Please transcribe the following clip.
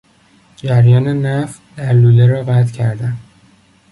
جریان نفت در لوله را قطع کردن